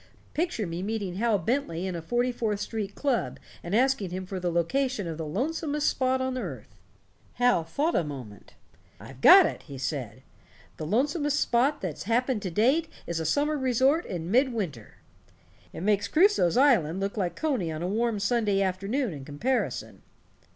Picture me meeting Hal Bentley in a Forty fourth Street club and asking him for the location of the lonesomest spot on earth. Hal thought a minute. 'I've got it', he said, 'the lonesomest spot that's happened to date is a summer resort in mid winter. It makes Crusoe's island look like Coney on a warm Sunday afternoon in comparison.'